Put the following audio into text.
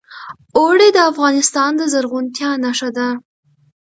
اوړي د افغانستان د زرغونتیا نښه ده.